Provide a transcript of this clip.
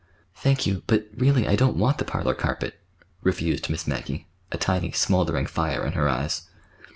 "Thank you; but, really, I don't want the parlor carpet," refused Miss Maggie, a tiny smouldering fire in her eyes.